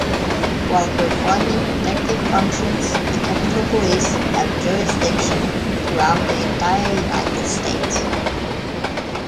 While performing protective functions, the Capitol Police have jurisdiction throughout the entire United States.